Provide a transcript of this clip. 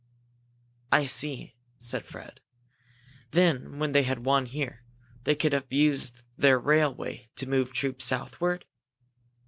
"I see," said Fred. "Then when they had won here, they could have used their railway to move troops southward?"